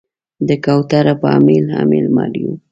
د کوترو په امیل، امیل مریو